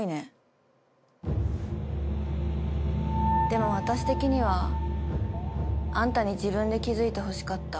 でも私的にはあんたに自分で気付いてほしかった。